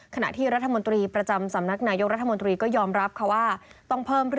ขณะที่ประจำสมนัสนาโยงรัฐมนตรี